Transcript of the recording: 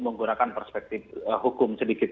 menggunakan perspektif hukum sedikit